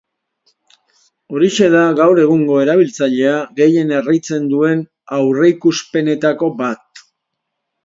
Horixe da gaur egungo erabiltzailea gehien harritzen duen aurreikuspenetako bat.